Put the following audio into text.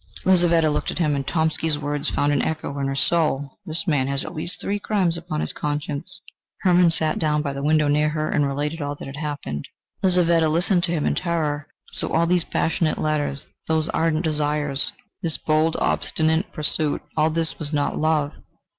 Lizaveta looked at him, and Tomsky's words found an echo in her soul: "This man has at least three crimes upon his conscience!" Hermann sat down by the window near her, and related all that had happened. Lizaveta listened to him in terror. So all those passionate letters, those ardent desires, this bold obstinate pursuit all this was not love!